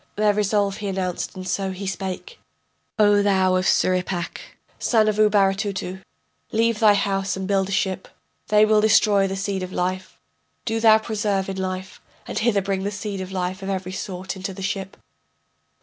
Their resolve he announced and so he spake: O thou of Surippak, son of Ubaratutu, Leave thy house and build a ship. They will destroy the seed of life. Do thou preserve in life, and hither bring the seed of life Of every sort into the ship.